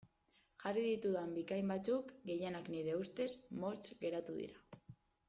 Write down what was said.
Jarri ditudan bikain batzuk, gehienak nire ustez, motz geratu dira.